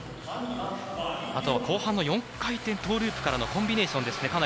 あとは後半の４回転トウループからのコンビネーションですね。